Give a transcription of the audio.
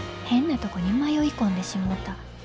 変なとこに迷い込んでしもうた。